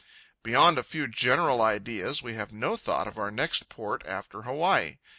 Beyond a few general ideas, we have no thought of our next port after Hawaii.